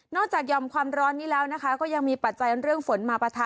จากยอมความร้อนนี้แล้วนะคะก็ยังมีปัจจัยเรื่องฝนมาปะทะ